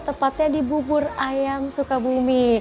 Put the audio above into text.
tepatnya di bubur ayam sukabumi